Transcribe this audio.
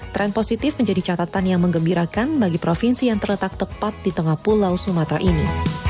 tren positif menjadi catatan yang mengembirakan bagi provinsi yang terletak tepat di tengah pulau sumatera ini